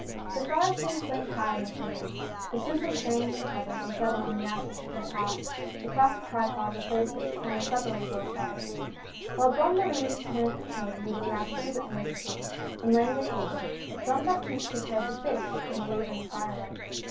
' The fire soon flamed high in the chimney. The soup was strained and covered, and set among the ashes to keep hot ; the classic tripod replaced it, and the supper was well started. While Bonne Marie went and came, moving rapidly but noiselessly, and laying the table, Jean Baptiste prepared the fish in the wavering fire light.